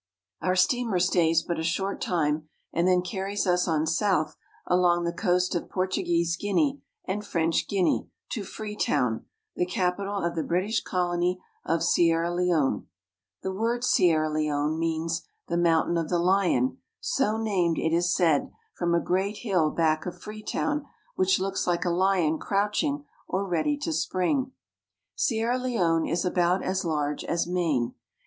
Our steamer stays but a short time and then carries us on south along the coast of Portuguese Guinea and French Guinea to Freetown, the capital of the British colony of Sierra Leone (si er'ra le 6'ne). The word " Sierra Leone " SENEGAMHIA, sierra LEONE, AND LIBERIA ..^means the " mountain of the lion," so named, it is said, from a great hill back of Freetown, which looks like a lion crouch ing or ready to spring. Sierra Leone is about as large as Maine.